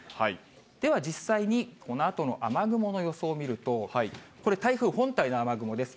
では実際にこのあとの雨雲の予想を見ると、これ、台風本体の雨雲です。